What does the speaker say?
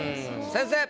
先生！